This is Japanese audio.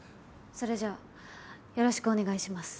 それじゃよろしくお願いします。